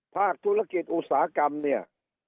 ภาคธุรกิจอุตสาหกรรมเนี่ย